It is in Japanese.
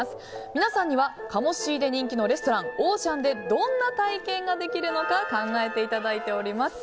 皆さんには鴨シーで人気のレストラン「オーシャン」でどんな体験ができるのか考えていただいております。